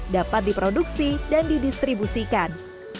dapat diproduksi dan didistribusikan